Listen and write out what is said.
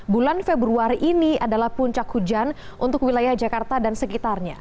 bulan februari ini adalah puncak hujan untuk wilayah jakarta dan sekitarnya